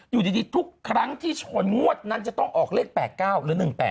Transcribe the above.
อยู่ดีทุกครั้งที่ชนงวดนั้นจะต้องออกเลข๘๙หรือ๑๘